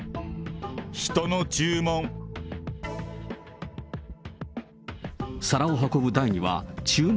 人の注文。